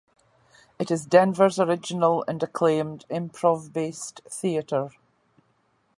It is Denver's original and acclaimed improv-based theater.